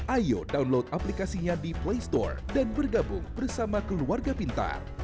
ayo download aplikasinya di play store dan bergabung bersama keluarga pintar